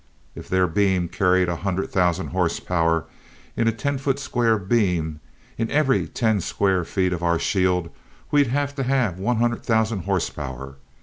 If their beam carried a hundred thousand horsepower in a ten foot square beam, in every ten square feet of our shield, we'd have to have one hundred thousand horsepower.